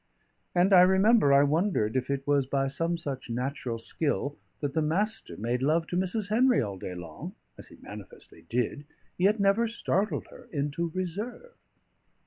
And I remember I wondered if it was by some such natural skill that the Master made love to Mrs. Henry all day long (as he manifestly did), yet never startled her into reserve.